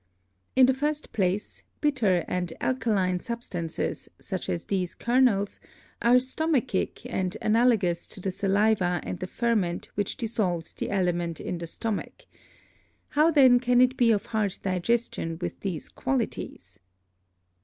In the first place, bitter and alkaline Substances, such as these Kernels, are stomachick and analogous to the Saliva and the Ferment which dissolves the Aliment in the Stomach; how then can it be of hard Digestion with these Qualities?